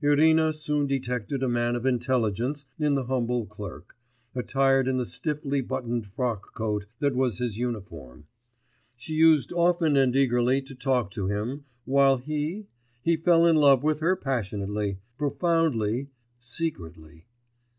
Irina soon detected a man of intelligence in the humble clerk, attired in the stiffly buttoned frockcoat that was his uniform. She used often and eagerly to talk to him ... while he ... he fell in love with her passionately, profoundly, secretly....